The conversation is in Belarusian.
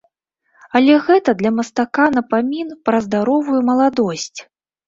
Але гэта для мастака напамін пра здаровую маладосць.